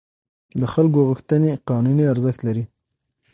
د خلکو غوښتنې قانوني ارزښت لري.